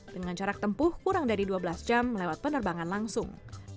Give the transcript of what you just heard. dengan jarak tempuh kurang dari dua belas jam lewat penerbangan langsung